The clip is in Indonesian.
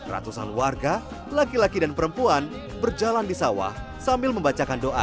ratusan warga laki laki dan perempuan berjalan di sawah sambil membacakan doa